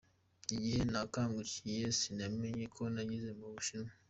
Igihe nakangukiye sinamenye ko nageze mu Bushinwa.